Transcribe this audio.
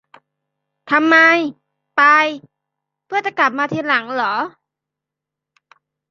ทำไม ไป เพื่อจะกลับมาทีหลังเหรอ